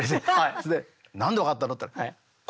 それで「何で分かったの？」って言ったら「声」なんて。